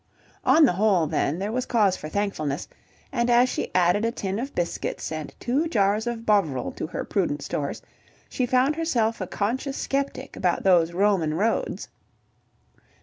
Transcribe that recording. On the whole, then, there was cause for thankfulness, and as she added a tin of biscuits and two jars of Bovril to her prudent stores, she found herself a conscious sceptic about those Roman roads.